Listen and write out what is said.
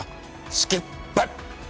スキップ！